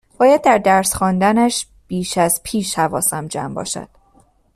باید در درس خواندنش بیش از پیش حواسم جمع باشد